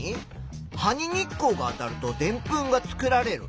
「葉に日光が当たるとでんぷんが作られる」。